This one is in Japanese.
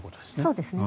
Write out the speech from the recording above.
そうですね。